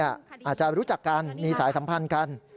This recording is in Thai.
อาจจะรู้จักกันมีสายสัมพันธ์กัน